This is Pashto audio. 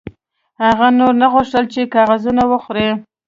هغه نور نه غوښتل چې کاغذونه وخوري